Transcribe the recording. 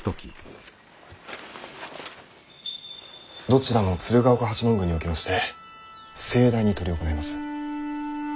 どちらも鶴岡八幡宮におきまして盛大に執り行います。